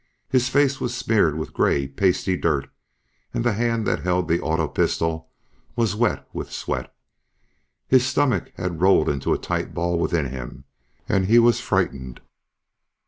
His face was smeared with grey, pasty dirt and the hand that held the auto pistol was wet with sweat. His stomach had rolled into a tight ball within him and he was frightened.